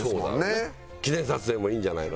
記念撮影もいいんじゃないの？